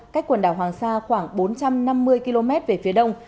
cách quần đảo hoàng sa khoảng bốn trăm năm mươi km về phía đông